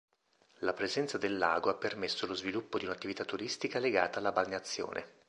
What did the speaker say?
La presenza del lago ha permesso lo sviluppo di un'attività turistica legata alla balneazione.